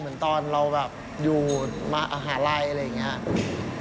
เหมือนตอนเราแบบอยู่มหาลัยอะไรอย่างนี้